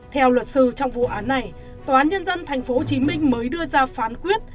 theo luật sư trong vụ án này tòa án nhân dân tp hcm mới đưa ra phán quyết